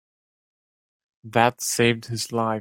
That saved his life.